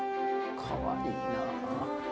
かわいいな。